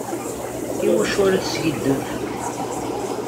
Iwacu ara teskiddeb?